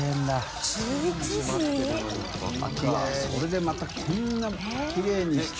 それでまたこんなきれいにして。